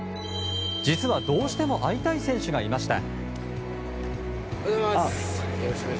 実は、どうしても会いたい選手がいました。